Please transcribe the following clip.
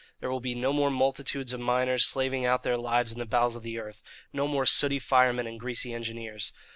There will be no more multitudes of miners slaving out their lives in the bowels of the earth, no more sooty firemen and greasy engineers.